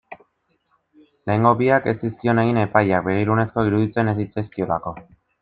Lehenengo biak ez zizkion egin epaileak, begirunezkoak iruditzen ez zitzaizkiolako.